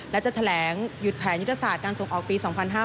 และจะแถลงหยุดแผนยุทธศาสตร์การส่งออกปี๒๕๕๙